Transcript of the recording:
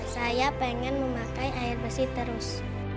saya pengen memakai air bersih terus